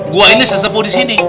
gua ini sesepuh di sini